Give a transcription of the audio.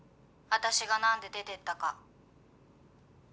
私がなんで出てったか」